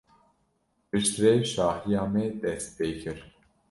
Piştre şahiya me dest pê kir.